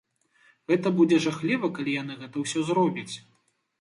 Гэта будзе жахліва, калі яны гэта ўсё зробяць.